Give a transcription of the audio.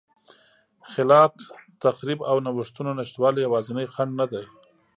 خلاق تخریب او نوښتونو نشتوالی یوازینی خنډ نه دی